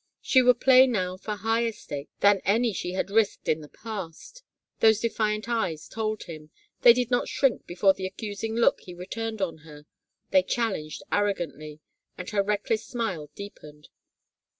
She would play now for higher stakes than any she had risked in the past, those defiant eyes told him; they did not shrink before the accusing look he turned on her, they chal lenged arrogantly, and her reckless smile deepened.